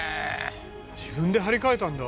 自分で張り替えたんだ。